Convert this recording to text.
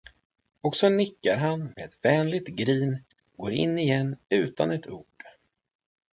Och så nickar han med ett vänligt grin och går igen utan ett ord.